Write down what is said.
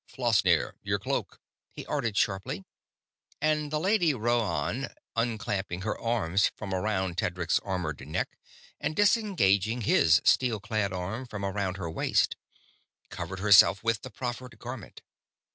"Flasnir, your cloak!" he ordered sharply; and the Lady Rhoann, unclamping her arms from around Tedric's armored neck and disengaging his steel clad arm from around her waist, covered herself with the proffered garment.